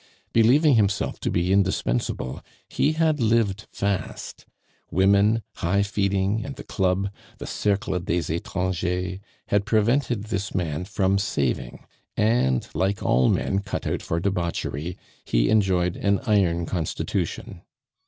Believing himself to be indispensable, he had lived fast. Women, high feeding, and the club, the Cercle des Etrangers, had prevented this man from saving, and, like all men cut out for debauchery, he enjoyed an iron constitution.